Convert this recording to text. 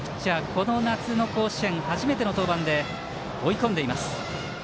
この夏の甲子園初めての登板で追い込んでいます。